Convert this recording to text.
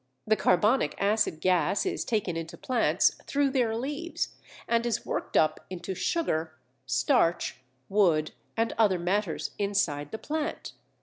The carbonic acid gas is taken into plants through their leaves and is worked up into sugar, starch, wood, and other matters inside the plant.